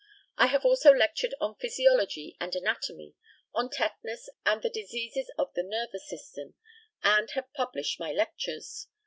I have also lectured on physiology and anatomy, on tetanus and the diseases of the nervous system, and have published my lectures.